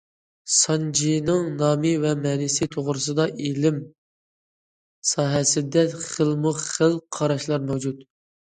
سانجىنىڭ نامى ۋە مەنىسى توغرىسىدا ئىلىم ساھەسىدە خىلمۇ خىل قاراشلار مەۋجۇت.